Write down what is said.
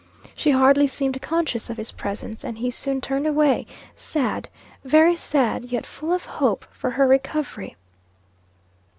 She hardly seemed conscious of his presence, and he soon turned away, sad, very sad, yet full of hope for her recovery.